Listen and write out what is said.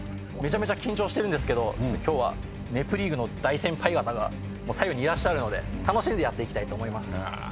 緊張してるんですけど今日は『ネプリーグ』の大先輩方が左右にいらっしゃるので楽しんでやっていきたいと思います。